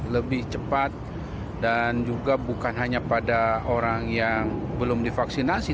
lebih cepat dan juga bukan hanya pada orang yang belum divaksinasi